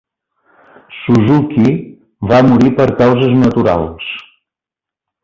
Suzuki va morir per causes naturals.